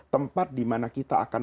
tempat dimana kita akan